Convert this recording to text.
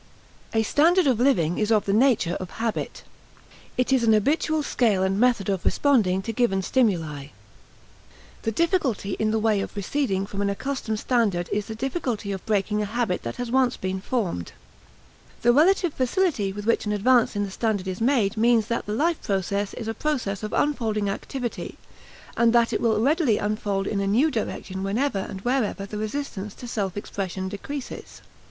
A standard of living is of the nature of habit. It is an habitual scale and method of responding to given stimuli. The difficulty in the way of receding from an accustomed standard is the difficulty of breaking a habit that has once been formed. The relative facility with which an advance in the standard is made means that the life process is a process of unfolding activity and that it will readily unfold in a new direction whenever and wherever the resistance to self expression decreases.